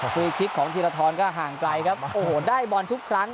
ฟรีคลิกของธีรทรก็ห่างไกลครับโอ้โหได้บอลทุกครั้ง